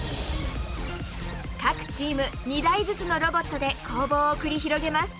各チーム２台ずつのロボットで攻防を繰り広げます。